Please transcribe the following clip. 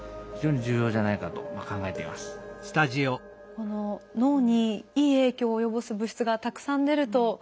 この脳にいい影響を及ぼす物質がたくさん出るといいですよね。